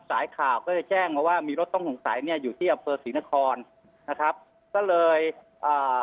สายข่าวก็เลยแจ้งมาว่ามีรถต้องสงสัยเนี้ยอยู่ที่อำเภอศรีนครนะครับก็เลยอ่า